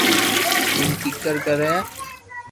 ايم ڪيڪر ڪري